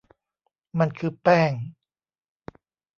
มันคือแป้ง